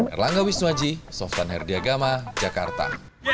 erlangga wisnuaji softan herdiagama jakarta